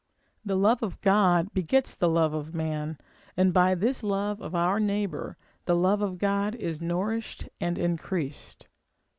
The love of God begets the love of man; and by this love of our neighbour, the love of God is nourished and increased.